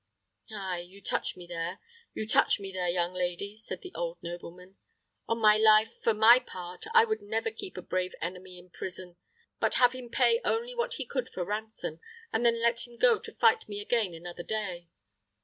"Ay; you touch me there you touch me there, young lady," said the old nobleman. "On my life, for my part, I would never keep a brave enemy in prison, but have him pay only what he could for ransom, and then let him go to fight me again another day."